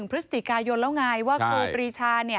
พฤศจิกายนแล้วไงว่าครูปรีชา